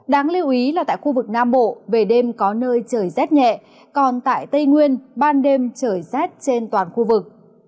đáng lưu ý là tại khu vực nam bộ về đêm có nơi trời rét nhẹ còn tại tây nguyên ban đêm trời rét trên toàn khu vực